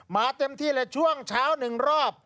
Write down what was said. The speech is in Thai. เต็มที่เลยช่วงเช้า๑รอบ